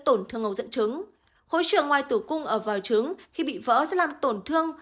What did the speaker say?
tổn thương ống dẫn trứng khối trường ngoài tủ cung ở vào trứng khi bị vỡ sẽ làm tổn thương